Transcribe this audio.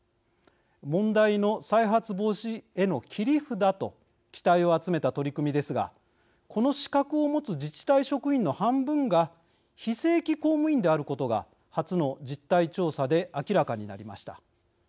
問題の再発防止への切り札と期待を集めた取り組みですがこの資格を持つ自治体職員の半分が非正規公務員であることが初の実態調査で明らかになりました。